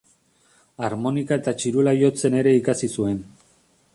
Harmonika eta txirula jotzen ere ikasi zuen.